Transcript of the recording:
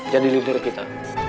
jadi dukung kita